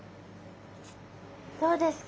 どうですか？